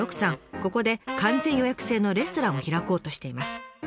ここで完全予約制のレストランを開こうとしています。